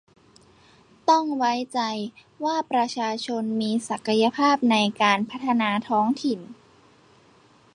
ต้องไว้ใจว่าประชาชนมีศักยภาพในการพัฒนาท้องถิ่น